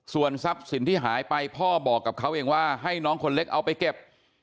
ส่วนทรัพย์สินที่หายไปพ่อบอกกับเขาเองว่าให้น้องคนเล็กเอาไปเก็บ